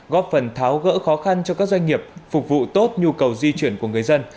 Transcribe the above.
góp phần tháo gỡ khó khăn cho các doanh nghiệp phục vụ tốt nhu cầu di chuyển của người dân